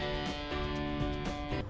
jangan lewatkan untuk penyaksikan